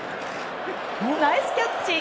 ナイスキャッチ！